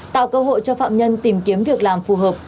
tạo cơ hội cho phạm nhân tìm kiếm việc làm phù hợp